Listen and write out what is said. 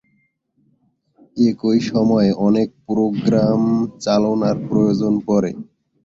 একই সময়ে অনেক প্রোগ্রাম চালনার প্রয়োজন পড়ে।